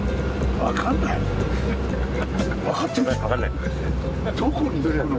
わかんないの？